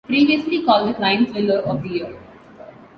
Previously called the Crime Thriller of the Year.